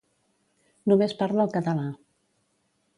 Només parla el català.